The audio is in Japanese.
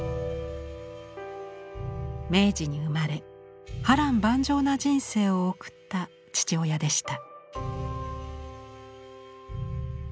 明治に生まれ波乱万丈な人生を送った父親でした。